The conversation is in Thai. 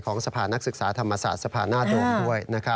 ของสะพานนักศึกษาธรรมศาสตร์สะพานหน้าโดรมด้วย